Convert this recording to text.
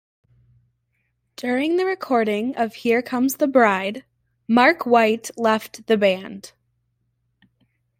During the recording of "Here Comes the Bride," Mark White left the band.